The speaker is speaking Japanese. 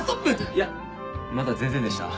いやまだ全然でした。